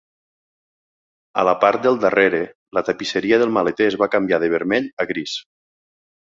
A la part del darrere, la tapisseria del maleter es va canviar de vermell a gris.